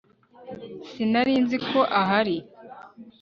sinari nzi ko ahari